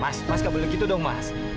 mas mas nggak boleh gitu dong mas